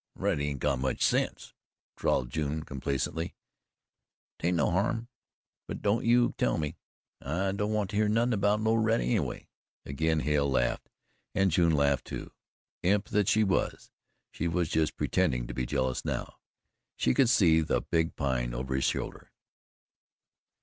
"Loretty ain't got much sense," drawled June complacently. "'Tain't no harm. But don't you tell me! I don't want to hear nothin' 'bout Loretty noway." Again Hale laughed and June laughed, too. Imp that she was, she was just pretending to be jealous now. She could see the big Pine over his shoulder.